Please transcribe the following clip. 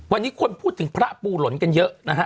วันนี้คนพูดถึงพระปูหล่นกันเยอะนะฮะ